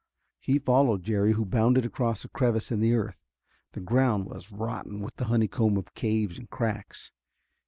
He followed Jerry, who bounded across a crevice in the earth. The ground was rotten with the honeycomb of caves and cracks.